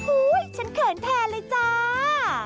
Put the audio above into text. อุ้ยฉันเขินแพ้เลยจ้า